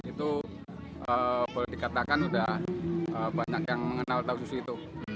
itu boleh dikatakan sudah banyak yang mengenal tahu susu itu